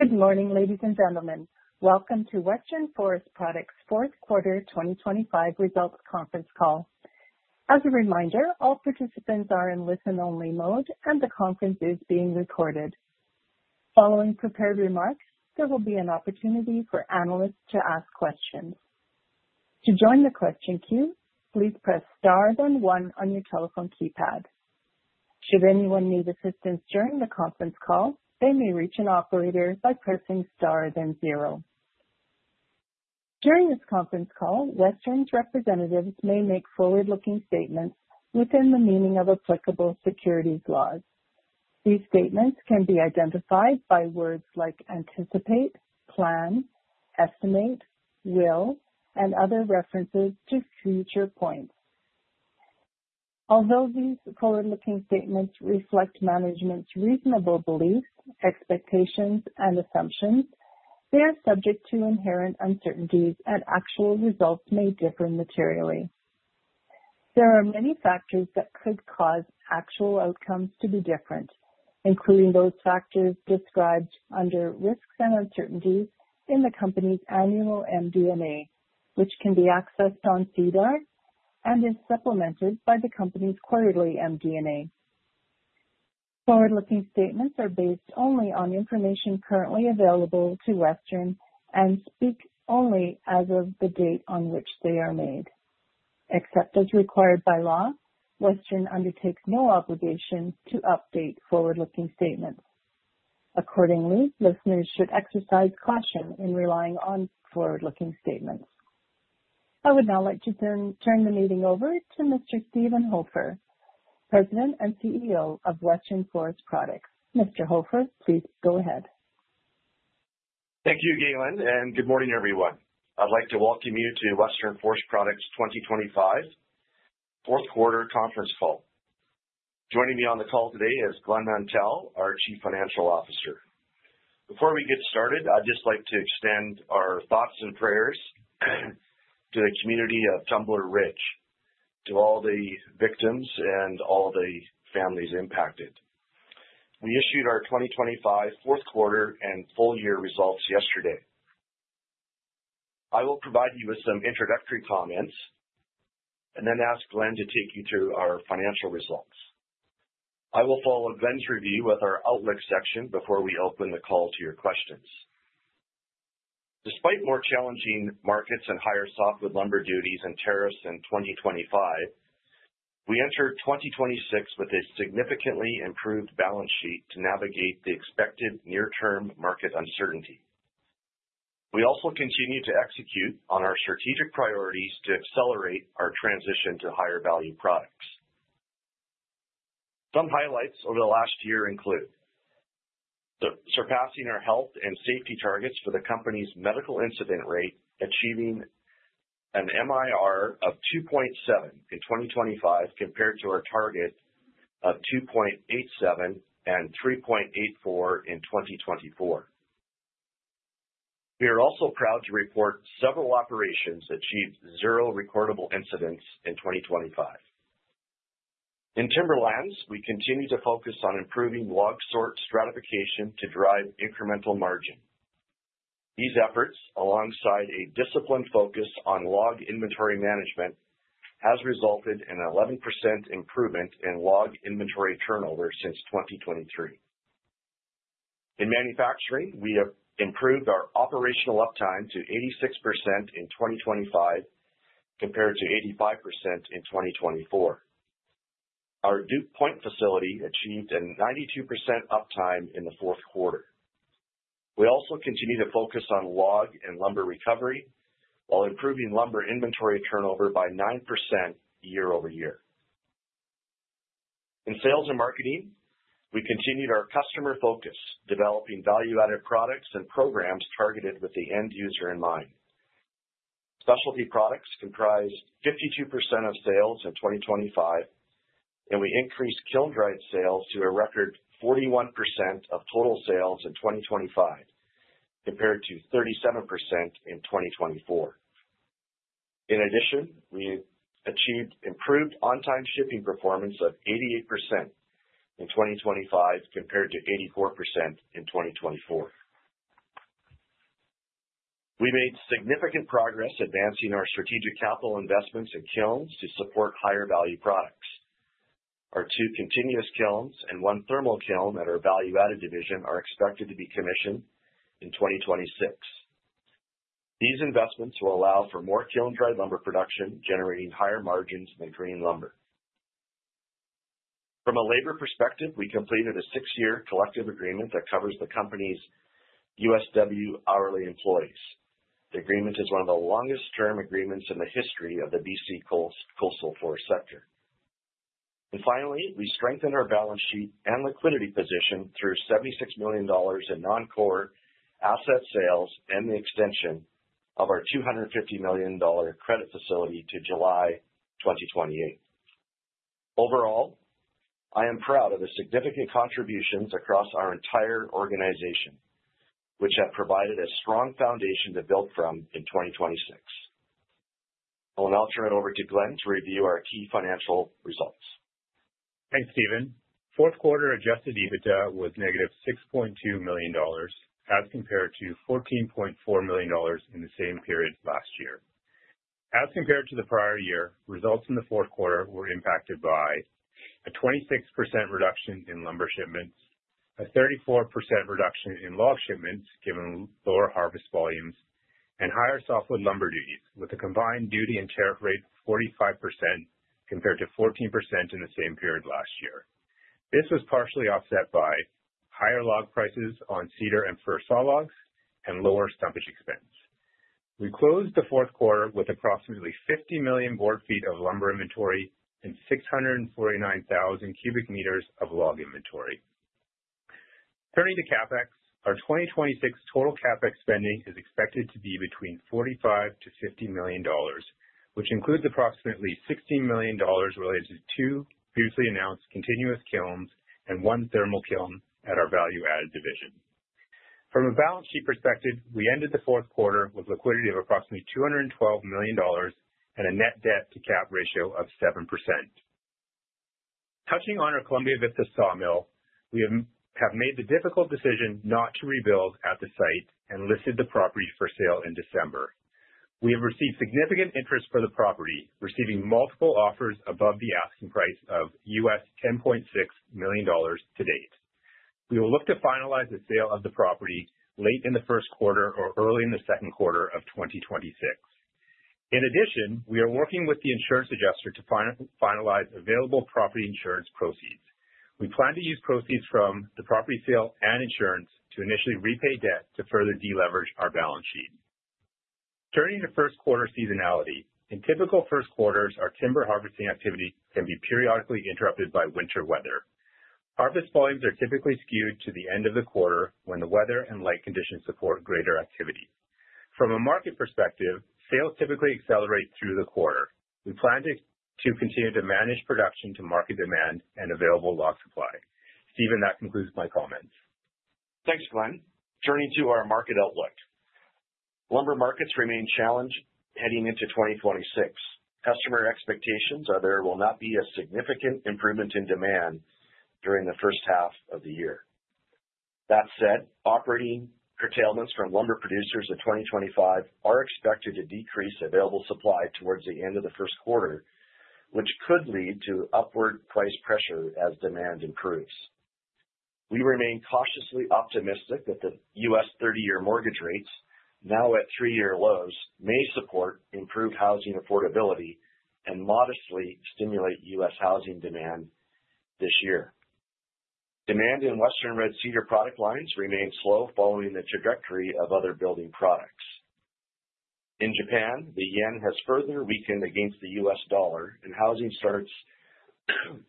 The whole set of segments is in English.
Good morning, ladies and gentlemen. Welcome to Western Forest Products' fourth quarter 2025 results conference call. As a reminder, all participants are in listen-only mode, and the conference is being recorded. Following prepared remarks, there will be an opportunity for analysts to ask questions. To join the question queue, please press star, then one on your telephone keypad. Should anyone need assistance during the conference call, they may reach an operator by pressing star, then zero. During this conference call, Western's representatives may make forward-looking statements within the meaning of applicable securities laws. These statements can be identified by words like anticipate, plan, estimate, will, and other references to future points. Although these forward-looking statements reflect management's reasonable beliefs, expectations, and assumptions, they are subject to inherent uncertainties, and actual results may differ materially. There are many factors that could cause actual outcomes to be different, including those factors described under risks and uncertainties in the company's annual MD&A, which can be accessed on SEDAR and is supplemented by the company's quarterly MD&A. Forward-looking statements are based only on information currently available to Western and speak only as of the date on which they are made. Except as required by law, Western undertakes no obligation to update forward-looking statements. Accordingly, listeners should exercise caution in relying on forward-looking statements. I would now like to turn the meeting over to Mr. Steven Hofer, President and CEO of Western Forest Products. Mr. Hofer, please go ahead. Thank you, Glen, and good morning, everyone. I'd like to welcome you to Western Forest Products' 2025 fourth quarter conference call. Joining me on the call today is Glen Nontell, our Chief Financial Officer. Before we get started, I'd just like to extend our thoughts and prayers to the community of Tumbler Ridge, to all the victims and all the families impacted. We issued our 2025 fourth quarter and full-year results yesterday. I will provide you with some introductory comments and then ask Glen to take you through our financial results. I will follow Glen's review with our outlook section before we open the call to your questions. Despite more challenging markets and higher softwood lumber duties and tariffs in 2025, we entered 2026 with a significantly improved balance sheet to navigate the expected near-term market uncertainty. We also continued to execute on our strategic priorities to accelerate our transition to higher-value products. Some highlights over the last year include: surpassing our health and safety targets for the company's medical incident rate, achieving an MIR of 2.7 in 2025 compared to our target of 2.87 and 3.84 in 2024. We are also proud to report several operations achieved zero recordable incidents in 2025. In timberlands, we continue to focus on improving log sort stratification to drive incremental margin. These efforts, alongside a disciplined focus on log inventory management, has resulted in an 11% improvement in log inventory turnover since 2023. In manufacturing, we have improved our operational uptime to 86% in 2025, compared to 85% in 2024. Our Duke Point facility achieved a 92% uptime in the fourth quarter. We also continue to focus on log and lumber recovery while improving lumber inventory turnover by 9% year over year. In sales and marketing, we continued our customer focus, developing value-added products and programs targeted with the end user in mind. Specialty products comprised 52% of sales in 2025, and we increased kiln-dried sales to a record 41% of total sales in 2025, compared to 37% in 2024. In addition, we achieved improved on-time shipping performance of 88% in 2025, compared to 84% in 2024. We made significant progress advancing our strategic capital investments in kilns to support higher-value products. Our 2 continuous kilns and 1 thermal kiln at our value-added division are expected to be commissioned in 2026. These investments will allow for more kiln-dried lumber production, generating higher margins than green lumber. From a labor perspective, we completed a six year collective agreement that covers the company's USW hourly employees. The agreement is one of the longest-term agreements in the history of the B.C. Coast, coastal forest sector. And finally, we strengthened our balance sheet and liquidity position through 76 million dollars in non-core asset sales and the extension of our 250 million dollar credit facility to July 2028. Overall, I am proud of the significant contributions across our entire organization, which have provided a strong foundation to build from in 2026. I will now turn it over to Glen to review our key financial results. Thanks, Steven. Fourth quarter Adjusted EBITDA was -6.2 million dollars, as compared to 14.4 million dollars in the same period last year. As compared to the prior year, results in the fourth quarter were impacted by a 26% reduction in lumber shipments, a 34% reduction in log shipments, given lower harvest volumes, and higher softwood lumber duties, with a combined duty and tariff rate of 45%, compared to 14% in the same period last year. This was partially offset by higher log prices on cedar and fir saw logs and lower stumpage expense. We closed the fourth quarter with approximately 50 million board feet of lumber inventory and 649,000 cubic meters of log inventory. Turning to CapEx, our 2026 total CapEx spending is expected to be between 45 million-50 million dollars, which includes approximately 16 million dollars related to two previously announced continuous kilns and one thermal kiln at our value-added division. From a balance sheet perspective, we ended the fourth quarter with liquidity of approximately 212 million dollars and a net debt to cap ratio of 7%. Touching on our Columbia Vista sawmill, we have made the difficult decision not to rebuild at the site and listed the property for sale in December. We have received significant interest for the property, receiving multiple offers above the asking price of $10.6 million to date. We will look to finalize the sale of the property late in the first quarter or early in the second quarter of 2026. In addition, we are working with the insurance adjuster to finalize available property insurance proceeds. We plan to use proceeds from the property sale and insurance to initially repay debt to further deleverage our balance sheet. Turning to first quarter seasonality. In typical first quarters, our timber harvesting activity can be periodically interrupted by winter weather. Harvest volumes are typically skewed to the end of the quarter when the weather and light conditions support greater activity. From a market perspective, sales typically accelerate through the quarter. We plan to continue to manage production to market demand and available log supply. Steven, that concludes my comments. Thanks, Glen. Turning to our market outlook. Lumber markets remain challenged heading into 2026. Customer expectations are there will not be a significant improvement in demand during the first half of the year. That said, operating curtailments from lumber producers in 2025 are expected to decrease available supply towards the end of the first quarter, which could lead to upward price pressure as demand improves. We remain cautiously optimistic that the U.S. 30-year mortgage rates, now at three year lows, may support improved housing affordability and modestly stimulate U.S. housing demand this year. Demand in Western Red Cedar product lines remains slow following the trajectory of other building products. In Japan, the yen has further weakened against the U.S. dollar, and housing starts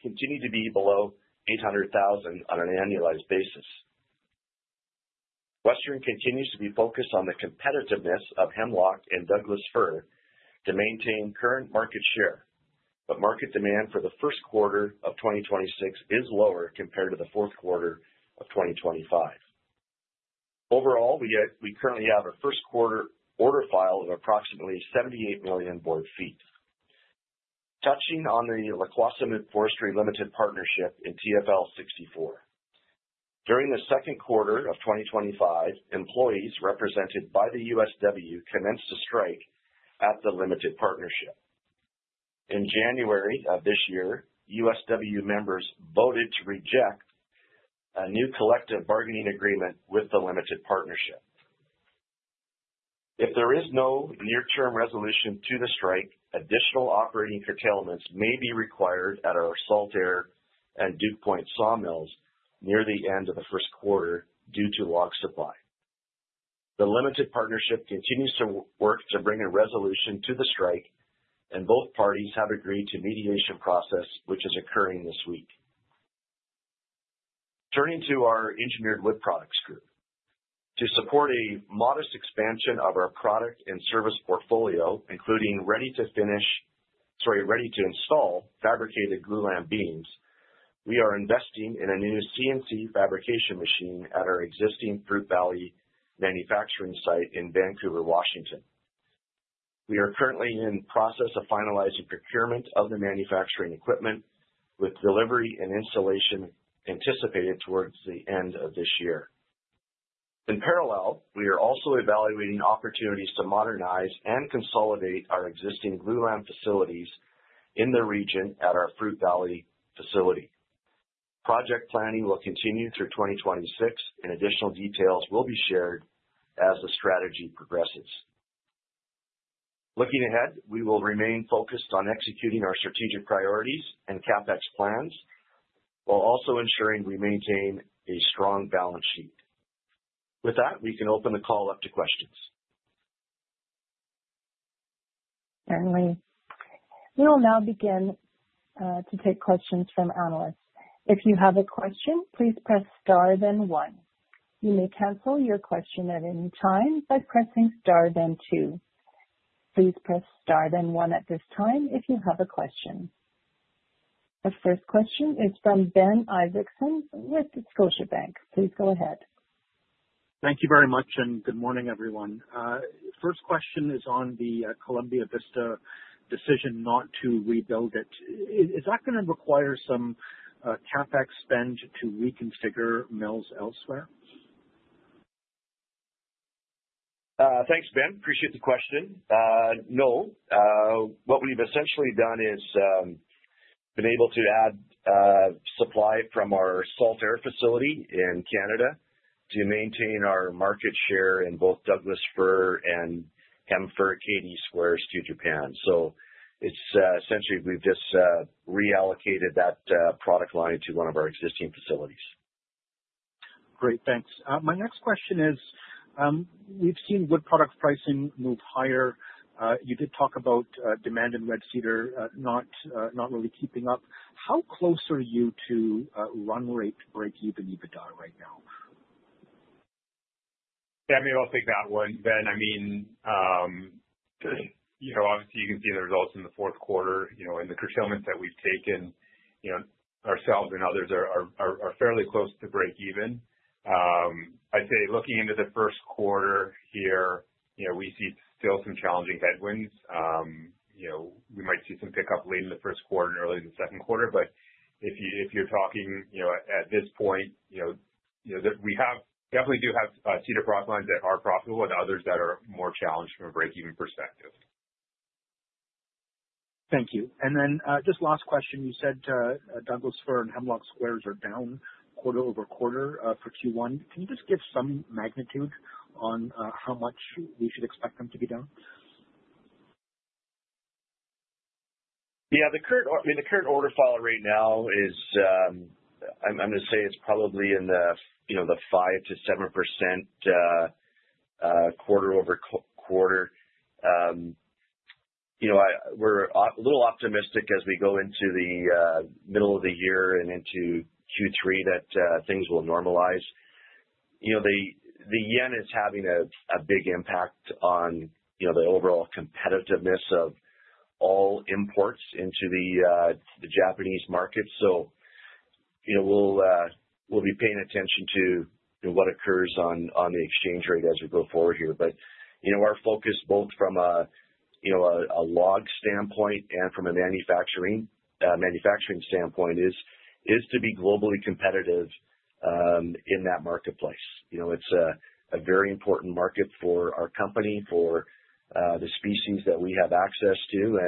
continue to be below 800,000 on an annualized basis. Western continues to be focused on the competitiveness of Hemlock and Douglas Fir to maintain current market share, but market demand for the first quarter of 2026 is lower compared to the fourth quarter of 2025. Overall, we, we currently have a first quarter order file of approximately 78 million board feet. Touching on the La-kwa sa muqw Forestry Limited Partnership in TFL 64. During the second quarter of 2025, employees represented by the USW commenced a strike at the limited partnership. In January of this year, USW members voted to reject a new collective bargaining agreement with the limited partnership. If there is no near-term resolution to the strike, additional operating curtailments may be required at our Saltair and Duke Point sawmills near the end of the first quarter due to log supply. The limited partnership continues to work to bring a resolution to the strike, and both parties have agreed to mediation process, which is occurring this week. Turning to our engineered wood products group. To support a modest expansion of our product and service portfolio, including ready to install fabricated glulam beams, we are investing in a new CNC fabrication machine at our existing Fruit Valley manufacturing site in Vancouver, Washington. We are currently in the process of finalizing procurement of the manufacturing equipment, with delivery and installation anticipated towards the end of this year. In parallel, we are also evaluating opportunities to modernize and consolidate our existing glulam facilities in the region at our Fruit Valley facility. Project planning will continue through 2026, and additional details will be shared as the strategy progresses. Looking ahead, we will remain focused on executing our strategic priorities and CapEx plans while also ensuring we maintain a strong balance sheet. With that, we can open the call up to questions. Certainly. We will now begin to take questions from analysts. If you have a question, please press star then one. You may cancel your question at any time by pressing star then two. Please press star then one at this time, if you have a question. The first question is from Ben Isaacson with Scotiabank. Please go ahead. Thank you very much, and good morning, everyone. First question is on the Columbia Vista decision not to rebuild it. Is that gonna require some CapEx spend to reconfigure mills elsewhere? Thanks, Ben. Appreciate the question. No, what we've essentially done is been able to add supply from our Saltair facility in Canada to maintain our market share in both Douglas Fir and Hem-Fir KD squares to Japan. So it's essentially we've just reallocated that product line to one of our existing facilities. Great, thanks. My next question is, we've seen wood product pricing move higher. You did talk about demand in red cedar not really keeping up. How close are you to run rate breakeven EBITDA right now? Yeah, maybe I'll take that one, Ben. I mean, you know, obviously you can see the results in the fourth quarter, you know, and the curtailments that we've taken, you know, ourselves and others are fairly close to breakeven. I'd say looking into the first quarter here, you know, we see still some challenging headwinds. You know, we might see some pickup late in the first quarter and early in the second quarter, but if you're talking, you know, at this point, you know, you know that we have definitely do have cedar product lines that are profitable and others that are more challenged from a breakeven perspective. Thank you. And then, just last question, you said, Douglas Fir and Hemlock squares are down quarter-over-quarter, for Q1. Can you just give some magnitude on, how much we should expect them to be down? Yeah, the current or, I mean, the current order follow right now is, I'm gonna say it's probably in the, you know, the 5%-7%, quarter-over-quarter. You know, I, we're a little optimistic as we go into the, middle of the year and into Q3, that, things will normalize. You know, the, the yen is having a, big impact on, you know, the overall competitiveness of all imports into the, the Japanese market. So, you know, we'll, we'll be paying attention to, you know, what occurs on, on the exchange rate as we go forward here. But, you know, our focus, both from a, you know, a, log standpoint and from a manufacturing, manufacturing standpoint is, to be globally competitive, in that marketplace. You know, it's a very important market for our company, for the species that we have access to,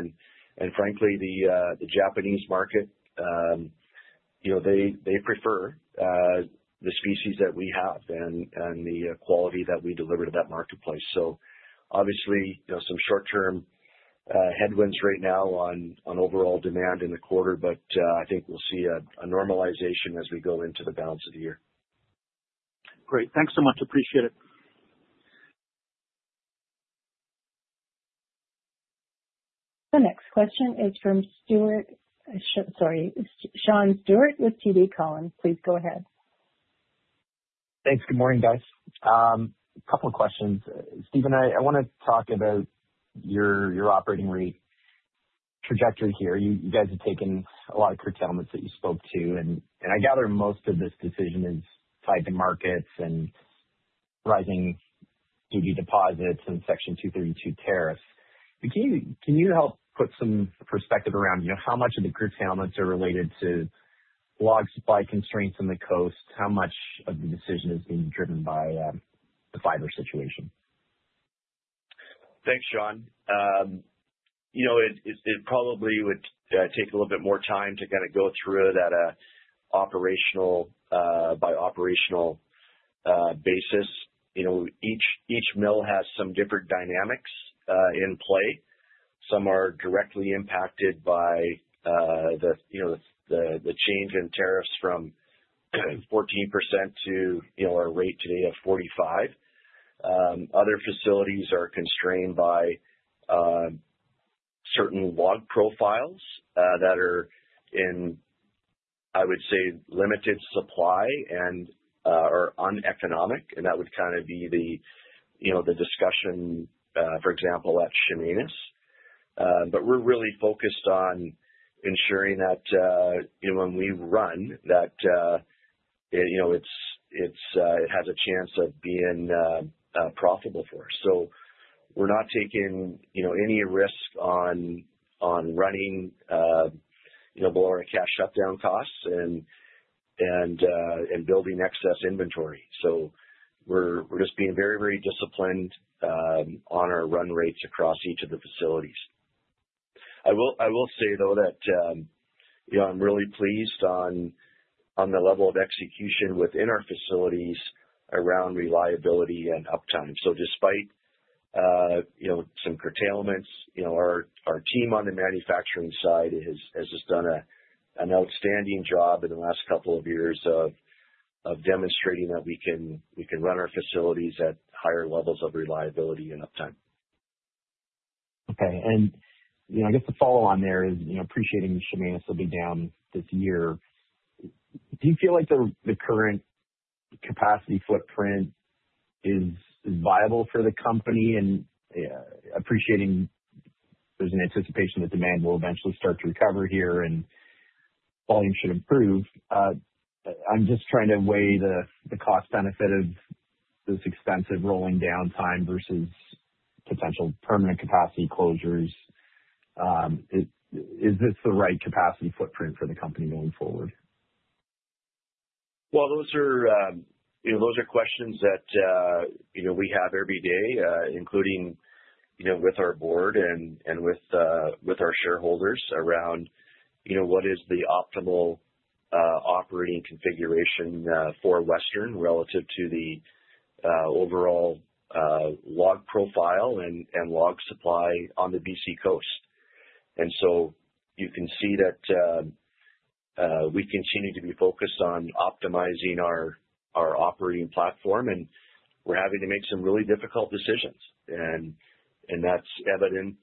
and frankly, the Japanese market, you know, they prefer the species that we have and the quality that we deliver to that marketplace. So obviously, you know, some short-term headwinds right now on overall demand in the quarter, but I think we'll see a normalization as we go into the balance of the year. Great. Thanks so much. Appreciate it. The next question is from Stuart. Sorry, Sean Steuart with TD Cowen. Please go ahead. Thanks. Good morning, guys. A couple of questions. Steven, I wanna talk about your operating rate trajectory here. You guys have taken a lot of curtailments that you spoke to, and I gather most of this decision is tied to markets and rising duty deposits and Section 232 tariffs. But can you help put some perspective around, you know, how much of the curtailments are related to log supply constraints on the coast? How much of the decision is being driven by the fiber situation? Thanks, Sean. You know, it probably would take a little bit more time to kind of go through that operational by operational basis. You know, each mill has some different dynamics in play. Some are directly impacted by the change in tariffs from 14% to our rate today of 45%. Other facilities are constrained by certain log profiles that are in, I would say, limited supply and are uneconomic, and that would kind of be the discussion, for example, at Chemainus. But we're really focused on ensuring that you know, when we run that, it has a chance of being profitable for us. So we're not taking, you know, any risk on, on running, you know, below our cash shutdown costs and, and, and building excess inventory. So we're, we're just being very, very disciplined, on our run rates across each of the facilities. I will, I will say, though, that, you know, I'm really pleased on, on the level of execution within our facilities around reliability and uptime. So despite, you know, some curtailments, you know, our, our team on the manufacturing side has, has just done a, an outstanding job in the last couple of years of, of demonstrating that we can, we can run our facilities at higher levels of reliability and uptime. Okay. And, you know, I guess the follow on there is, you know, appreciating Chemainus will be down this year, do you feel like the current capacity footprint is viable for the company, and appreciating there's an anticipation that demand will eventually start to recover here and volume should improve. I'm just trying to weigh the cost benefit of this extensive rolling downtime versus potential permanent capacity closures. Is this the right capacity footprint for the company moving forward? Well, those are, you know, those are questions that, you know, we have every day, including, you know, with our board and, and with, with our shareholders around, you know, what is the optimal, operating configuration, for Western relative to the, overall, log profile and, and log supply on the B.C. coast. And so you can see that, we continue to be focused on optimizing our operating platform, and we're having to make some really difficult decisions. And that's evident,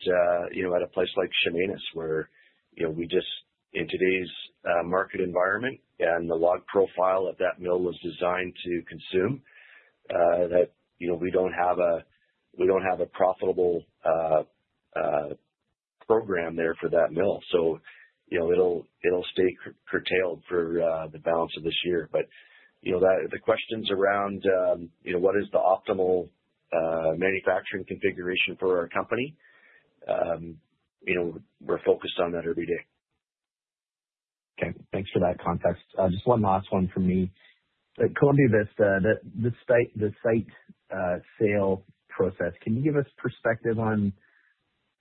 you know, at a place like Chemainus, where, you know, we just, in today's, market environment and the log profile that mill was designed to consume, that, you know, we don't have a profitable, program there for that mill. So, you know, it'll stay curtailed for the balance of this year. But, you know, the questions around, you know, what is the optimal manufacturing configuration for our company? You know, we're focused on that every day. Okay, thanks for that context. Just one last one from me. At Columbia Vista, the site sale process. Can you give us perspective on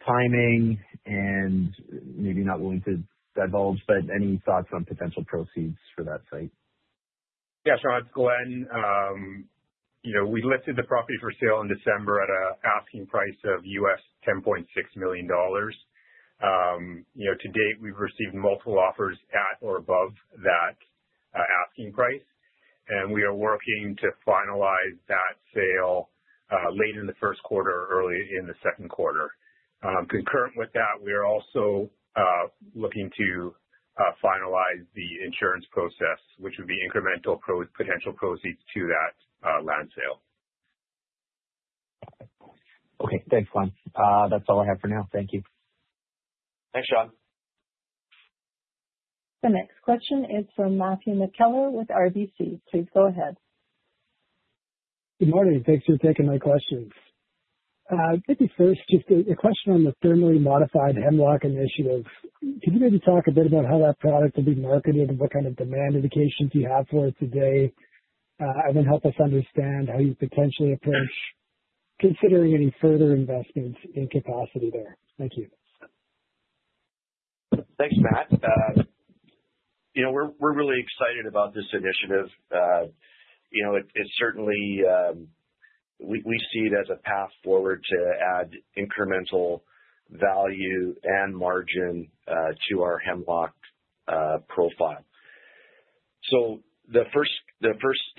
timing? And maybe not willing to divulge, but any thoughts on potential proceeds for that site? Yeah, sure. It's Glen. You know, we listed the property for sale in December at an asking price of $10.6 million. You know, to date, we've received multiple offers at or above that asking price, and we are working to finalize that sale late in the first quarter, early in the second quarter. Concurrent with that, we are also looking to finalize the insurance process, which would be incremental potential proceeds to that land sale. Okay, thanks, Glen. That's all I have for now. Thank you. Thanks, Sean. The next question is from Matthew McKellar with RBC. Please go ahead. Good morning. Thanks for taking my questions. Maybe first, just a question on the Thermally Modified Hemlock initiative. Can you maybe talk a bit about how that product will be marketed and what kind of demand indications you have for it today? And then help us understand how you potentially approach considering any further investments in capacity there. Thank you. Thanks, Matt. You know, we're really excited about this initiative. You know, it's certainly, we see it as a path forward to add incremental value and margin to our Hemlock profile. So the first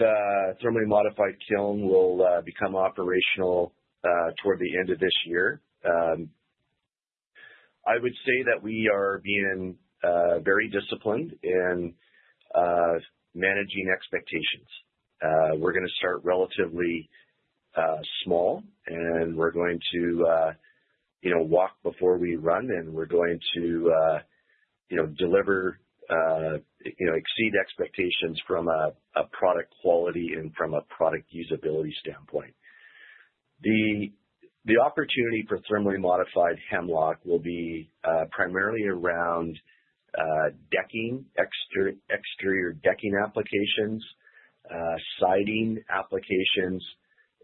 thermally modified kiln will become operational toward the end of this year. I would say that we are being very disciplined in managing expectations. We're gonna start relatively small, and we're going to you know, walk before we run, and we're going to you know, deliver, you know, exceed expectations from a product quality and from a product usability standpoint. The opportunity for Thermally Modified Hemlock will be primarily around decking, exterior decking applications, siding applications,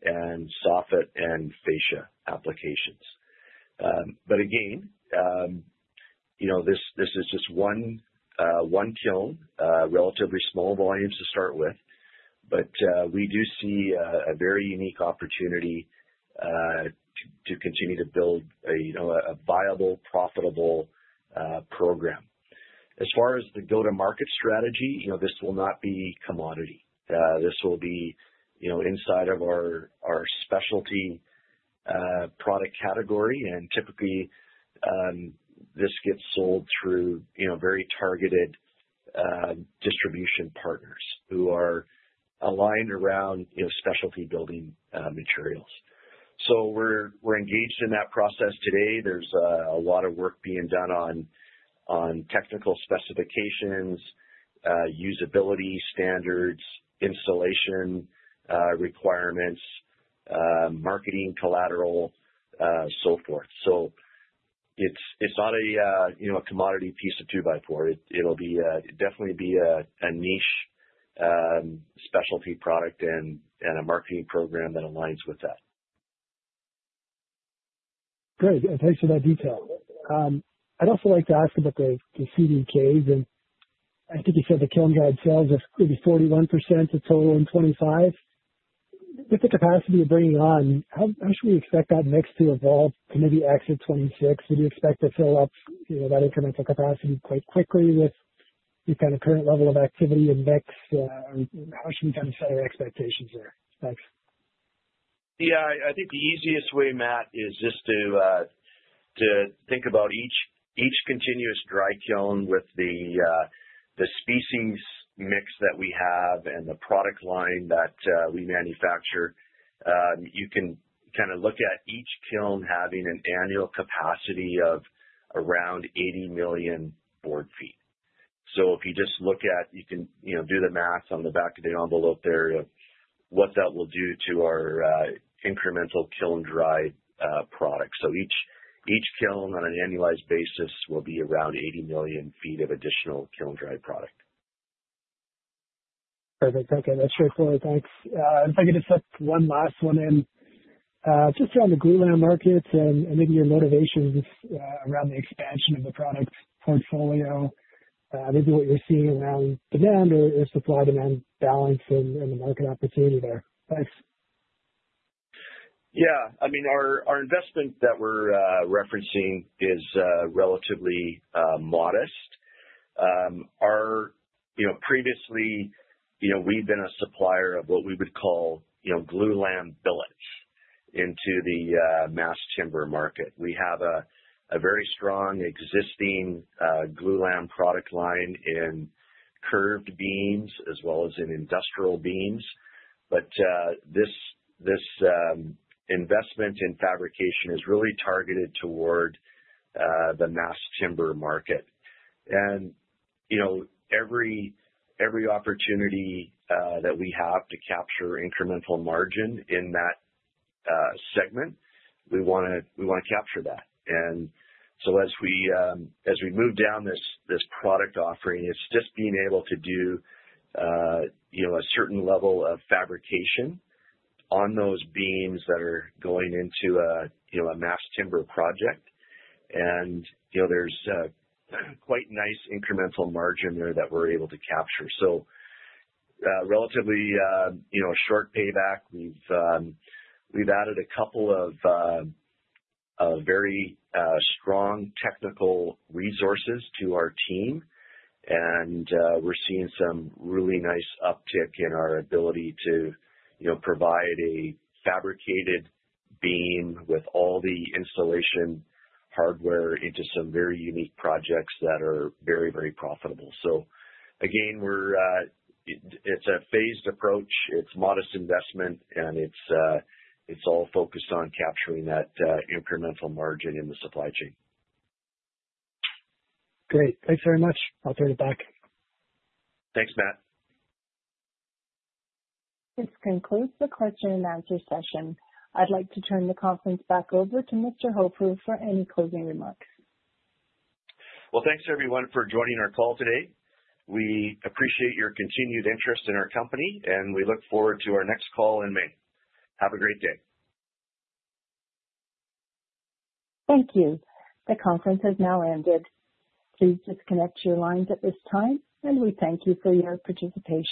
and soffit and fascia applications. But again, you know, this is just one kiln, relatively small volumes to start with, but we do see a very unique opportunity to continue to build a, you know, a viable, profitable program. As far as the go-to-market strategy, you know, this will not be commodity. This will be, you know, inside of our specialty product category. And typically, this gets sold through, you know, very targeted distribution partners who are aligned around, you know, specialty building materials. So we're engaged in that process today. There's a lot of work being done on technical specifications, usability standards, installation requirements, marketing collateral, so forth. So it's not a, you know, a commodity piece of two by four. It'll definitely be a niche specialty product and a marketing program that aligns with that. Great, and thanks for that detail. I'd also like to ask about the KD. I think you said the kiln-dried sales are maybe 41% of total in 2025. With the capacity you're bringing on, how should we expect that mix to evolve coming to exit 2026? Do you expect to fill up, you know, that incremental capacity quite quickly with the kind of current level of activity and mix? How should we kind of set our expectations there? Thanks. Yeah, I think the easiest way, Matt, is just to think about each continuous dry kiln with the species mix that we have and the product line that we manufacture. You can kind of look at each kiln having an annual capacity of around 80 million board feet. So if you just look at, you can, you know, do the math on the back of the envelope there of what that will do to our incremental kiln-dried product. So each kiln on an annualized basis will be around 80 million feet of additional kiln-dried product. Perfect. Thank you. That's straightforward. Thanks. If I could just slip one last one in. Just around the glulam markets and, and maybe your motivations, around the expansion of the product portfolio, maybe what you're seeing around demand or, or supply-demand balance and, and the market opportunity there. Thanks. Yeah. I mean, our investment that we're referencing is relatively modest. You know, previously, you know, we've been a supplier of what we would call, you know, glulam billets into the mass timber market. We have a very strong existing glulam product line in curved beams as well as in industrial beams. But this investment in fabrication is really targeted toward the mass timber market. And, you know, every opportunity that we have to capture incremental margin in that segment, we wanna, we wanna capture that. And so as we move down this product offering, it's just being able to do, you know, a certain level of fabrication on those beams that are going into a, you know, a mass timber project. You know, there's a quite nice incremental margin there that we're able to capture. So, relatively, you know, short payback. We've added a couple of very strong technical resources to our team, and we're seeing some really nice uptick in our ability to, you know, provide a fabricated beam with all the installation hardware into some very, very profitable. So again, we're. It's a phased approach, it's modest investment, and it's all focused on capturing that incremental margin in the supply chain. Great. Thanks very much. I'll turn it back. Thanks, Matt. This concludes the question and answer session. I'd like to turn the conference back over to Mr. Hofer for any closing remarks. Well, thanks, everyone, for joining our call today. We appreciate your continued interest in our company, and we look forward to our next call in May. Have a great day. Thank you. The conference has now ended. Please disconnect your lines at this time, and we thank you for your participation.